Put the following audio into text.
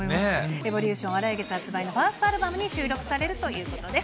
エボリューションは来月発売のファーストアルバムに収録されるということです。